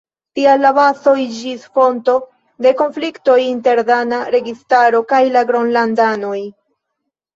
Tial la bazo iĝis fonto de konfliktoj inter dana registaro kaj la Gronlandanoj.